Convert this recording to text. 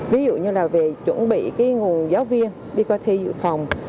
ví dụ như là về chuẩn bị cái nguồn giáo viên đi qua thi dự phòng